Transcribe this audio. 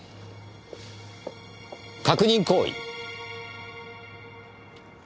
確認行為。